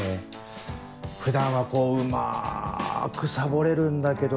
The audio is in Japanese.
普段はこううまくサボれるんだけどね